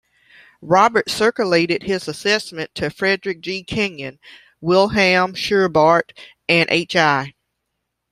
Roberts circulated his assessment to Frederic G. Kenyon, Wilhelm Schubart and H. I.